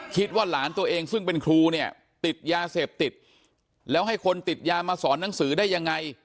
คิดว่าหลานตัวเองซึ่งเป็นครูเนี่ยติดยาเสพติดแล้วให้คนติดยามาสอนหนังสือได้ยังไง